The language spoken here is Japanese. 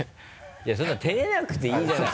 そんな照れなくていいじゃない。